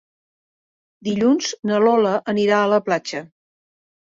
Dilluns na Lola anirà a la platja.